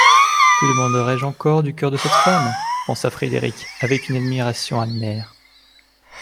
«Que demanderai-je encore du cœur de cette femme ?» pensa Frederick avec une admiration amère.